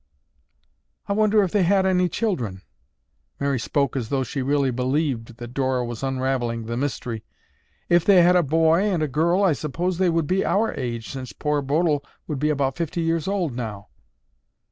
"I wonder if they had any children." Mary spoke as though she really believed that Dora was unraveling the mystery. "If they had a boy and a girl, suppose, they would be our age since poor Bodil would be about fifty years old now."